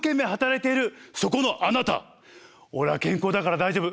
俺は健康だから大丈夫。